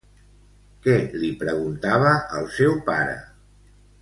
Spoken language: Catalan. Què li preguntava el seu pare?